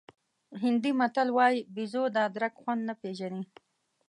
هندي متل وایي بېزو د ادرک خوند نه پېژني.